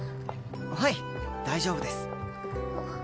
はい大丈夫です。